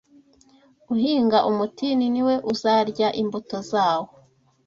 Uhinga umutini ni we uzarya imbuto zawo